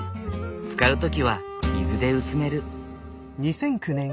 使う時は水で薄める。